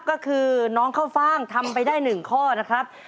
ก็คือน้องข้าวฟ่างทำไปได้๑ข้อนะครับ